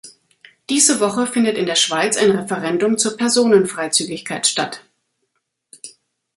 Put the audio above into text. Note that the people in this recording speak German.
Diese Woche findet in der Schweiz ein Referendum zur Personen-Freizügigkeit statt.